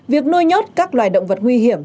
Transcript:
việc nuôi nhốt các loài động vật nguy hiểm